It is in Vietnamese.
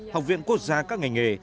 học viện quốc gia các ngành nghề